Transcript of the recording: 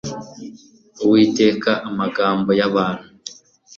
Uwiteka amagambo y abantu